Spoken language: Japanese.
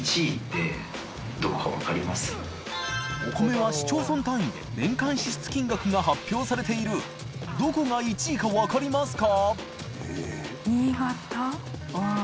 磴討市町村単位で年間支出金額が発表されている磴匹海碓未分かりますか？